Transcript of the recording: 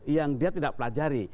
yang dia tidak pelajari